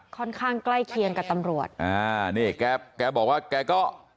ค่อนข้างใกล้เคียงกับตำรวจอ่านี่แกแกบอกว่าแกก็